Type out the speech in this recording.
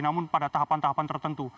namun pada tahapan tahapan tertentu